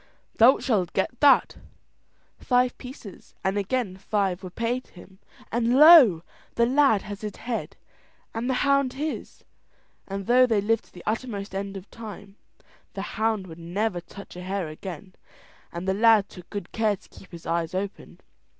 "Thou shalt get that," said O'Donnell. Five pieces, and again five were paid him, and lo! the lad had his head and the hound his. And though they lived to the uttermost end of time, the hound would never touch a hare again, and the lad took good care to keep his eyes open.